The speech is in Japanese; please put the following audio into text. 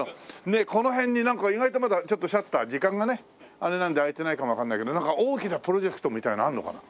ねえこの辺になんか意外とまだちょっとシャッター時間がねあれなんで開いてないかもわかんないけどなんか大きなプロジェクトみたいなのあるのかな？